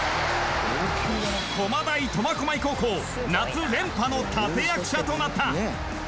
駒大苫小牧高校夏連覇の立役者となった。